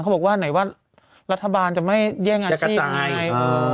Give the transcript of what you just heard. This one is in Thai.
บอกว่าไหนว่ารัฐบาลจะไม่แย่งอาชีพไง